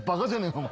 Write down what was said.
お前。